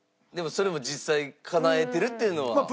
でもそれも実際かなえてるっていうのは。